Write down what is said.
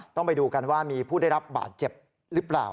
ต้องไปดูกันว่ามีผู้ได้รับบาดเจ็บหรือเปล่า